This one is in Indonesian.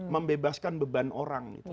membebaskan beban orang